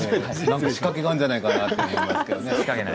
何か仕掛けがあるんじゃないかなと思いました。